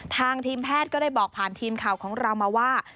ทางทีมแพทย์ก็ได้บอกผ่านทีมข่าวของเรามาว่า